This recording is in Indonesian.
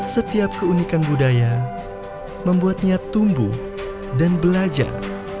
setiap keunikan budaya membuatnya tumbuh dan belajar